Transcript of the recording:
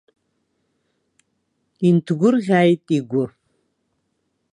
Инҭгәырӷьааит игәы.